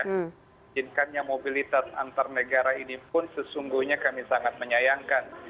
izinkannya mobilitas antar negara ini pun sesungguhnya kami sangat menyayangkan